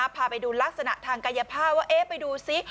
พาไปดูลักษณะทางกายภาพว่าเอ๊ะไปดูซิ